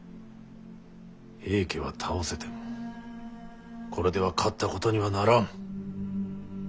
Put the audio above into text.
平家は倒せてもこれでは勝ったことにはならん。